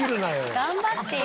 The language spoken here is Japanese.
頑張ってよ！